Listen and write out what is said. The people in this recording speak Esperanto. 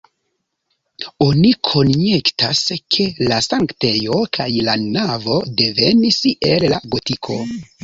Oni konjektas, ke la sanktejo kaj la navo devenis el la gotiko.